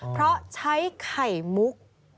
เพราะใช้ไข่มุก